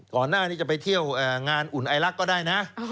ก่อนหน้านี้จะไปเที่ยวงานอุ่นไอลักษ์ก็ได้นะ